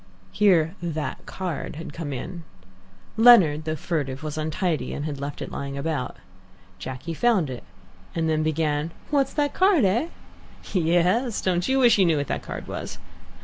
Here "that card" had come in. Leonard, though furtive, was untidy, and left it lying about. Jacky found it, and then began, "What's that card, eh?" "Yes, don't you wish you knew what that card was?"